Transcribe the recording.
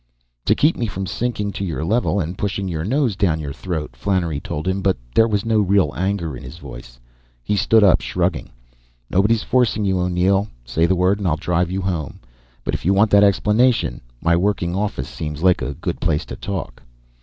"To keep me from sinking to your level and pushing your nose down your throat!" Flannery told him, but there was no real anger in his voice. He stood up, shrugging. "Nobody's forcing you, O'Neill. Say the word and I'll drive you home. But if you want that explanation, my working office seems like a good place to talk."